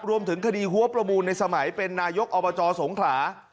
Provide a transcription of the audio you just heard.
รวมถึงคดีหัวประมูลในสมัยเป็นนายกอบจสงขลา